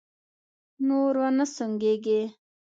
نور و نه سونګېږې!